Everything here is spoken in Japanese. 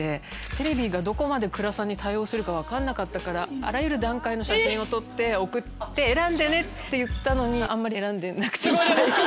テレビがどこまで暗さに対応するか分かんなかったからあらゆる段階の写真を撮って送って選んでって言ったのにあんまり選んでなくて。